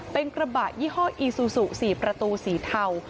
เป็นกระบะยี่ห้ออีซูซู๔ประตูสีเทา